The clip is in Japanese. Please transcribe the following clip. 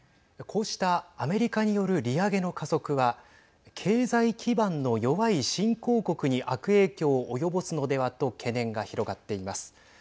こうしたアメリカによる利上げの加速は経済基盤の弱い新興国に悪影響を及ぼすのではと懸念が広がっています。